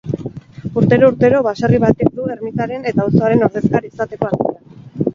Urtero-urtero, baserri batek du ermitaren eta auzoaren ordezkari izateko ardura.